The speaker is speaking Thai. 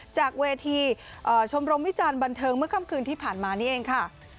จากเวทีชมรมวิจารณ์บันเทิงเมื่อค่ำคืนที่ผ่านมานี่เองค่ะ